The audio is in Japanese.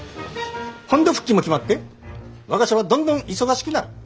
本土復帰も決まって我が社はどんどん忙しくなる。